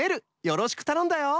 よろしくたのんだよ！